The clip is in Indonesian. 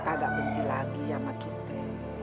agak benci lagi sama kita